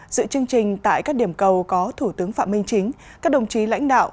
dự chương trình tại các điểm cầu có thủ tướng phạm minh chính các đồng chí lãnh đạo